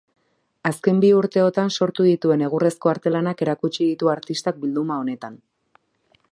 Azken bi urteotan sortu dituen egurrezko artelanak erakutsi ditu artistak bilduma honetan.